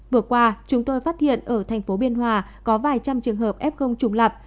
vừa qua chúng tôi phát hiện ở thành phố biên hòa có vài trăm trường hợp f trùng lập